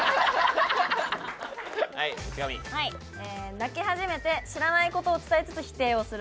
「泣き始めて知らない事を伝えつつ否定をする」